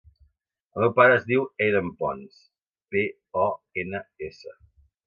El meu pare es diu Eidan Pons: pe, o, ena, essa.